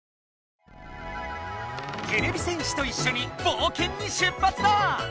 てれび戦士といっしょに冒険に出発だ！